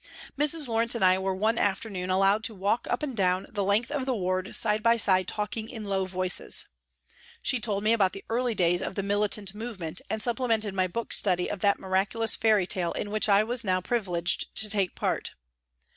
Mrs. Lawrence and I were one afternoon allowed to walk up and down the length of the ward side by side talking in low voices. She told me about the early days of the militant movement and supplemented my book study of that miraculous fairy tale in which I was now privileged to take part.